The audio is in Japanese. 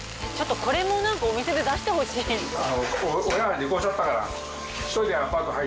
ちょっとこれもなんかお店で出してほしい。